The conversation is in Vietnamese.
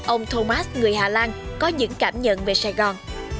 ông thomas người hà lan có những cảm nhận về sài gòn